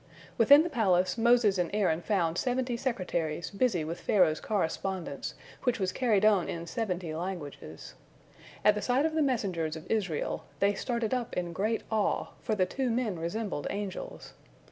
Within the palace, Moses and Aaron found seventy secretaries busy with Pharaoh's correspondence, which was carried on in seventy languages. At the sight of the messengers of Israel, they started up in great awe, for the two men resembled angels.